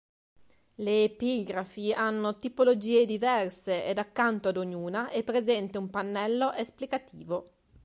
Le epigrafi hanno tipologie diverse ed accanto ad ognuna è presente un pannello esplicativo.